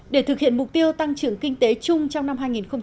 để thực hiện mục tiêu tăng trưởng kinh tế chung trong năm hai nghìn một mươi bảy